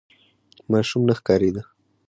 ماشوم نه ښکارېده.